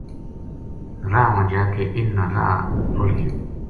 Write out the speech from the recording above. راہ ما جا کے اِنھ نا راہ بھُل گیو